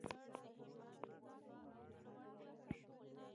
قلم د لیکوال قوت دی